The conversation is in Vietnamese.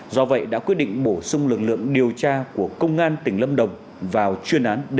do vậy đã quyết định bổ sung lực lượng điều tra của công an tỉnh lâm đồng vào chuyên án d bảy trăm linh tám